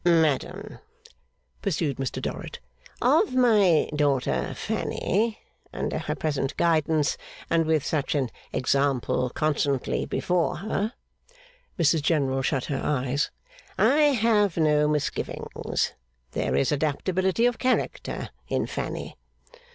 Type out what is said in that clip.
'Madam,' pursued Mr Dorrit, 'of my daughter Fanny, under her present guidance and with such an example constantly before her ' (Mrs General shut her eyes.) 'I have no misgivings. There is adaptability of character in Fanny.